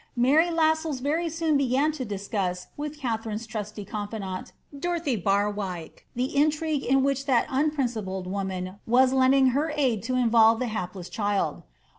Mary Lai* sells Tery soon began to discuss with Katharine's trusty confidanls, Dorothy Barwike, the intrigue in which that unprincipled woman was lending her aid to involve the liapless child.